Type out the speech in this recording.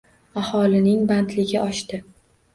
Aholining bandligi oshdi